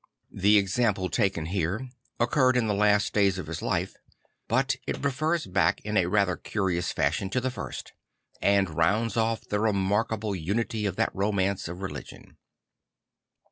The example taken here occurred in the last days of his life, but it refers back in a fa ther curious fashion to the first; and rounds off the remarkable unity of that romance of religion.